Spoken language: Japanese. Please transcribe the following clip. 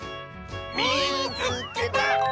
「みいつけた！」。